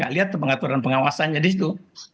lihat pengaturan pengawasannya di situ